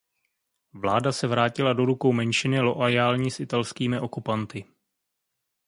Vláda se vrátila do rukou menšiny loajální s italskými okupanty.